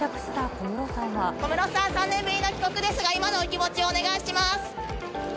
小室さん、３年ぶりの帰国ですが、今のお気持ちをお願いします。